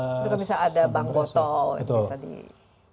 itu kan bisa ada bank botol